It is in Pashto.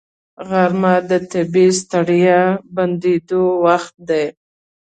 غرمه د طبیعي ستړیا بندېدو وخت دی